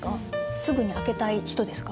すぐに開けたい人ですか？